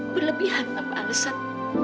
berlebihan tanpa alesan